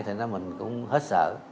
thế nên mình cũng hết sợ